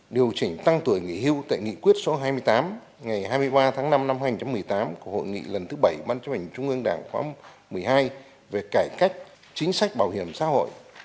điều chỉnh tăng tuổi nghỉ hưu tại nghị quyết số hai mươi tám ngày hai mươi ba tháng năm năm hai nghìn một mươi tám của hội nghị lần thứ bảy ban chấp hành trung ương đảng khóa một mươi hai về cải cách chính sách bảo hiểm xã hội